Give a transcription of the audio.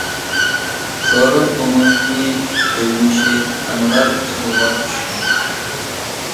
سورۇن ئومۇمىي كۆرۈنۈشى ئانىلار ئۇسۇلغا چۈشتى.